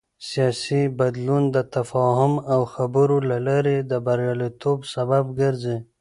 سیاسي بدلون د تفاهم او خبرو له لارې د بریالیتوب سبب ګرځي